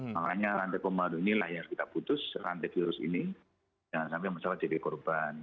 makanya rantai pemandu inilah yang kita putus rantai virus ini jangan sampai masyarakat jadi korban